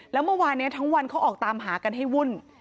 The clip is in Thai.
แล้วเมื่อวานนี้ทั้งวันเขาออกตามหากันให้วุ่น